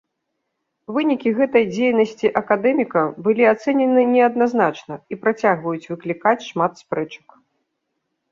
Вынікі гэтай дзейнасці акадэміка былі ацэнены неадназначна і працягваюць выклікаць шмат спрэчак.